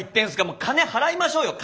もう金払いましょうよ！